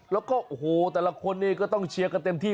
แล้วก็โอ้โหแต่ละคนนี้ก็ต้องเชียร์กันเต็มที่